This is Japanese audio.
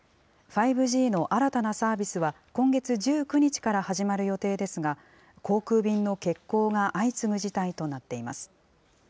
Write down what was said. ５Ｇの新たなサービスは、今月１９日から始まる予定ですが、航空便の欠航が相次ぐ事態となっています。